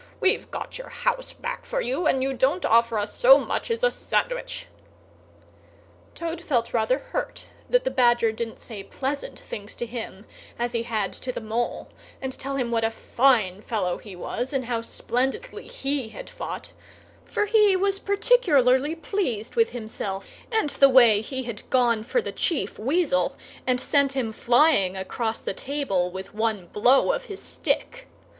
We've got your house back for you, and you don't offer us so much as a sandwich." Toad felt rather hurt that the Badger didn't say pleasant things to him, as he had to the Mole, and tell him what a fine fellow he was, and how splendidly he had fought; for he was rather particularly pleased with himself and the way he had gone for the Chief Weasel and sent him flying across the table with one blow of his stick.